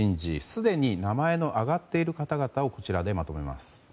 すでに名前の挙がっている方々をこちらでまとめます。